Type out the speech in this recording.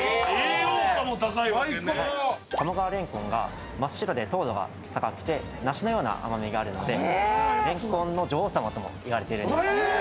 鴨川れんこんが真っ白で糖度が高くて梨のような甘味があるのでレンコンの女王さまともいわれているんです。